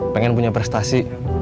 pengen punya prestasi